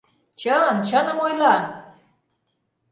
Чын, чыным ойла!